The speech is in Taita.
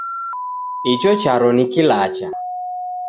Icho charo ni kilacha.